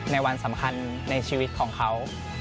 ในวันสำคัญในชีวิตของเขา